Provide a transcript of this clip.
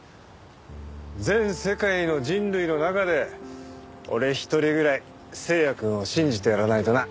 全世界の人類の中で俺一人ぐらい星也くんを信じてやらないとな。